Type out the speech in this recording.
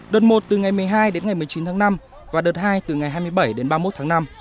đợt một từ ngày một mươi hai đến ngày một mươi chín tháng năm và đợt hai từ ngày hai mươi bảy đến ba mươi một tháng năm